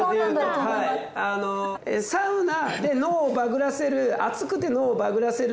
サウナで脳をバグらせる暑くて脳をバグらせる。